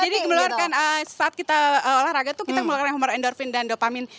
jadi meluarkan saat kita olahraga itu kita mengeluarkan humor endorfin dan dopamin